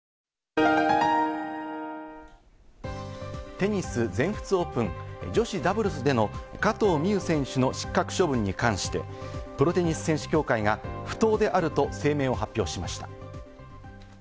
テニス全仏オープン、女子ダブルスでの加藤未唯選手の失格処分に関して、プロテニス選手協会が不当であると声明を発表しました。